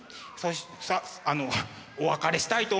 お別れしたいと思います。